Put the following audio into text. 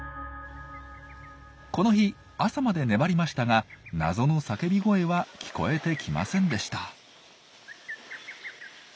この日朝まで粘りましたが謎の叫び声は聞こえてきませんでした。